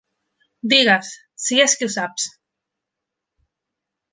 Digues, si és que ho saps!